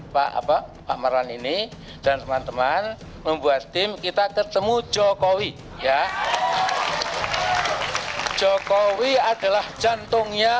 pak apa pak maran ini dan teman teman membuat tim kita ketemu jokowi ya jokowi adalah jantungnya